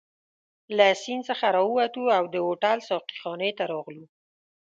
له سیند څخه راووتو او د هوټل ساقي خانې ته راغلو.